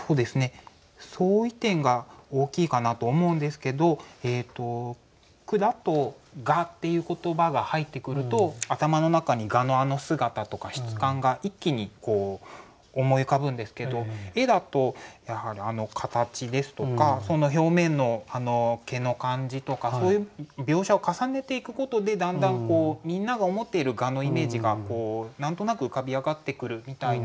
相違点が大きいかなと思うんですけど句だと「蛾」っていう言葉が入ってくると頭の中に蛾のあの姿とか質感が一気に思い浮かぶんですけど絵だとやはりあの形ですとかその表面の毛の感じとかそういう描写を重ねていくことでだんだんみんなが思っている蛾のイメージが何となく浮かび上がってくるみたいな